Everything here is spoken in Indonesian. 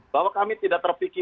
bahwa kami tidak terpikirkan